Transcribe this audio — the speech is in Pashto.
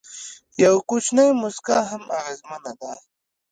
یو کوچنی موسکا هم اغېزمنه ده.